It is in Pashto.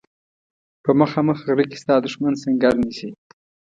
په مخامخ غره کې ستا دښمن سنګر نیسي.